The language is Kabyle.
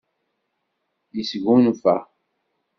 Yesgunfa.